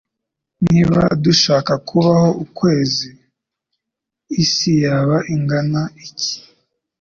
Niba dushaka kubaho ku kwezi, isi yaba ingana iki?